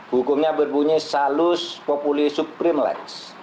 hukumnya berbunyi salus populi supremelax